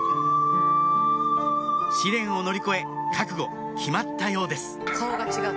試練を乗り越え覚悟決まったようです